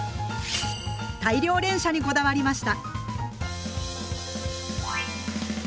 大量連射にこだわりました。